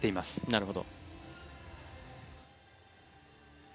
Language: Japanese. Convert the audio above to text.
なるほど。